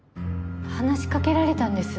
話しかけられたんです。